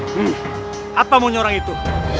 huff apa monyet orang itu